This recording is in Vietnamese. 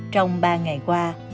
trong ba ngày qua